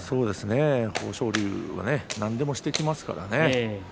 豊昇龍は何でもしてきますからね。